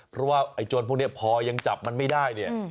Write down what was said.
เพราะว่าไอ้โจรพวกนี้พอยังจับมันไม่ได้เนี่ย